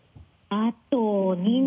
あと２年。